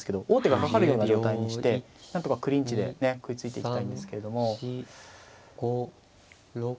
王手がかかるような状態にして何とかクリンチで食いついていきたいんですけれども。